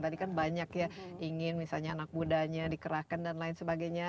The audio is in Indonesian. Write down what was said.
tadi kan banyak ya ingin misalnya anak mudanya dikerahkan dan lain sebagainya